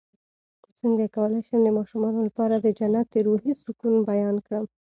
څنګه کولی شم د ماشومانو لپاره د جنت د روحي سکون بیان کړم